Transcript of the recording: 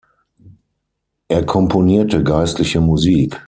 Er komponierte geistliche Musik.